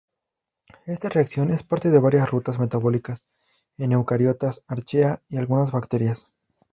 Esta reacción es parte de varias rutas metabólicas en eucariotas, archaea y algunas bacterias.